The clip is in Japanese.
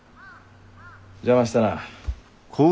邪魔したな。